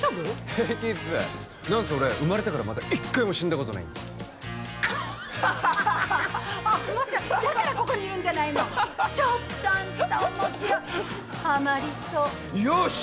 平気っすなんせ俺生まれてからまだ一回も死んだことないんで面白いだからここにいるんじゃないのちょっとあんた面白いハマりそうよし！